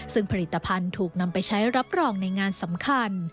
ซึ่งผลิตภัณฑ์ถูกนำไปใช้รับรองในงานสำคัญ